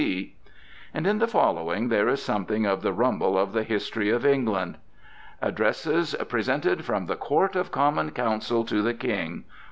C." And in the following there is something of the rumble of the history of England: "Addresses Presented from the Court of Common Council to the King.